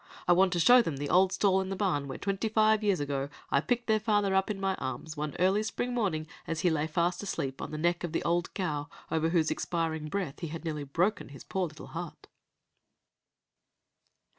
I want to show them the old stall in the barn, where, twenty five years ago, I picked their father up in my arms early one spring morning as he lay fast asleep on the neck of the old cow over whose expiring breath he had nearly broken his poor little heart."